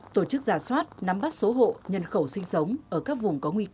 tổ chức giả soát nắm bắt số hộ nhân khẩu sinh sống